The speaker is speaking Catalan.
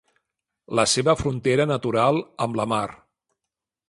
La seva frontera natural amb la mar.